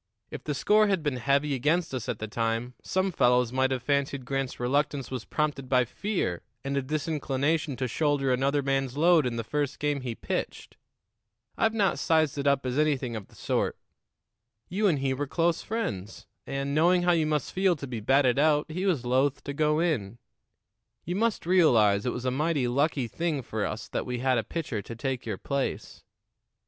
If the score had been heavy against us at the time, some fellows might have fancied Grant's reluctance was prompted by fear and a disinclination to shoulder another man's load in the first game he pitched. I've not sized it up as anything of the sort. You and he were close friends, and, knowing how you must feel to be batted out, he was loath to go in. You must realize it was a mighty lucky thing for us that we had a pitcher to take your place.